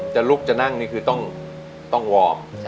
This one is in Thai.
ลุกจะนั่งนี่คือต้องวอร์ม